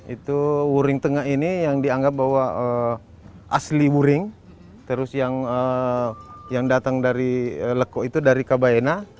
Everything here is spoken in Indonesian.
itu wuring tengah ini yang dianggap bahwa asli wuring terus yang datang dari lekuk itu dari kabaena